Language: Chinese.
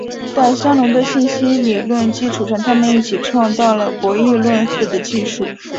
在香农的信息论基础上他们一起创造了博弈论似的技术。